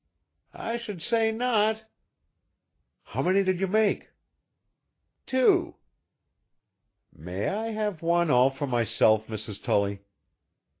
"I should say not." "How many did you make?" "Two." "May I have one all for myself, Mrs. Tully?"